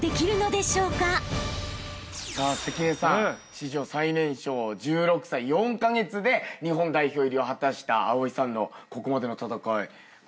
史上最年少１６歳４カ月で日本代表入りを果たした蒼さんのここまでの戦いご覧になっていかがですか？